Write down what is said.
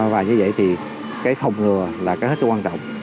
và như vậy thì cái phòng ngừa là cái hết sức quan trọng